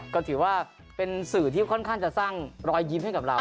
ก็ถือว่าเป็นสื่อที่ค่อนข้างจะสร้างรอยยิ้มให้กับเรา